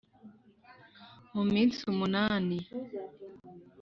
mu minsi umunani